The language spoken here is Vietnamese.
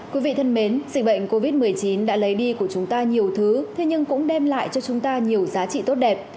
quý vị thân mến dịch bệnh covid một mươi chín đã lấy đi của chúng ta nhiều thứ thế nhưng cũng đem lại cho chúng ta nhiều giá trị tốt đẹp